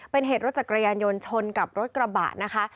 เป็นเหตุรถจักรยานยนต์ชนกับรถกระบะนะคะ